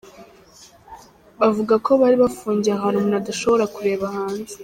Bavuga ko bari bafungiye ahantu umuntu adashobora kureba hanze.